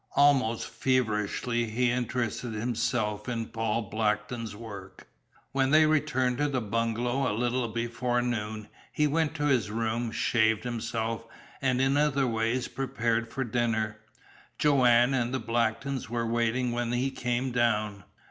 Almost feverishly he interested himself in Paul Blackton's work. When they returned to the bungalow, a little before noon, he went to his room, shaved himself, and in other ways prepared for dinner. Joanne and the Blacktons were waiting when he came down.